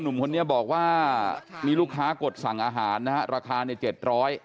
หนุ่มคนนี้บอกว่ามีลูกค้ากดสั่งอาหารนะฮะราคาในเจ็ดร้อย